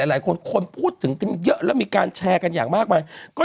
หลายคนคนพูดถึงกันเยอะแล้วมีการแชร์กันอย่างมากมายก็